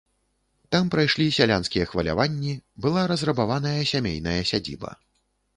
Там прайшлі сялянскія хваляванні, была разрабаваная сямейная сядзіба.